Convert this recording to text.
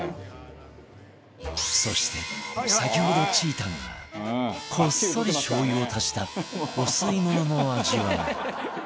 そして先ほどちーたんがこっそりしょう油を足したお吸い物の味は？